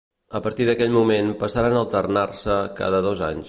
A partir d'aquell moment passaren a alternar-se cada dos anys.